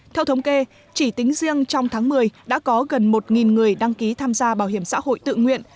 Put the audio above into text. theo thống kê chỉ tính riêng trong tháng một mươi đã có gần một người đăng ký tham gia bảo hiểm xã hội tự nguyện